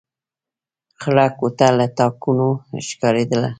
خړه کوټه له تاکونو ښکارېدله.